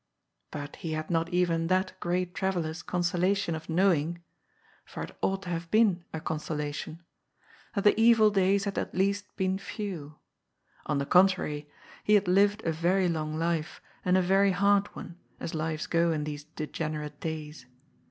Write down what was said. But he had not even that great traveller's consolation of knowing — for it ought to have 372 GOD'S POOL. been a consolation — ^that the evil days had at least been few — on the contrary, he had lived a very long life and a veiy hard one, as lives go in these degenerate days.